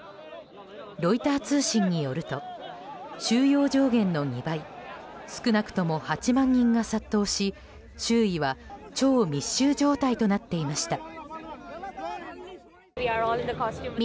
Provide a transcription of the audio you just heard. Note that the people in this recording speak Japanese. ロイター通信によると収容上限の２倍少なくとも８万人が殺到し周囲は超密集状態となっていました。